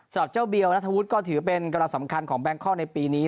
สำหรับเจ้าเบียวนัทวุฒิก็ถือเป็นกำลังสำคัญของแบงคอกในปีนี้